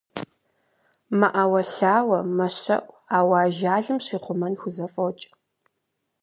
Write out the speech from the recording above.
МэӀэуэлъауэ, мэщэӀу, ауэ ажалым щихъумэн хузэфӀокӀ.